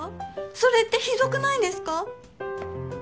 それってひどくないですか？